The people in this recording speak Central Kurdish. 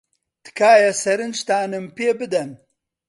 تکایە سەرنجتانم پێ بدەن.